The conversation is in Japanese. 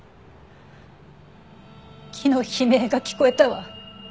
木の悲鳴が聞こえたわ。